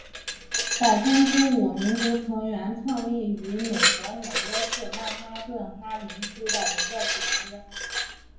百分之五民族成员创立于美国纽约市曼哈顿哈林区的一个组织。